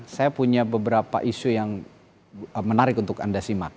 saya punya beberapa isu yang menarik untuk anda simak